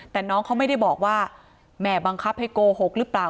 แต่น้องเขาไม่ได้บอกว่าแม่บังคับให้โกหกหรือเปล่า